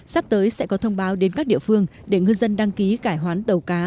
sắp tới sẽ có thông báo đến các địa phương để ngư dân đăng ký cải hoán tàu cá